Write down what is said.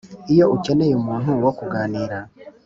iyo ukeneye umuntu wo kuganira.